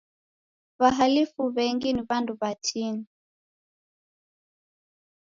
W'ahalifu w'engi ni w'andu w'atini.